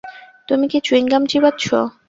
তুমি কি চুইংগাম চিবাচ্ছ?